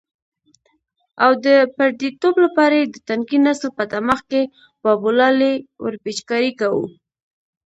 او د پردیتوب لپاره یې د تنکي نسل په دماغ کې بابولالې ورپېچکاري کوو.